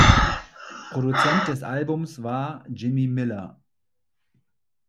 Produzent des Albums war Jimmy Miller.